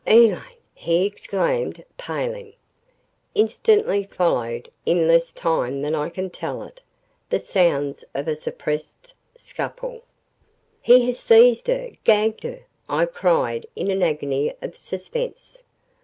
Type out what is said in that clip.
"Elaine!" he exclaimed, paling. Instantly followed, in less time than I can tell it, the sounds of a suppressed scuffle. "He has seized her gagged her," I cried in an agony of suspense.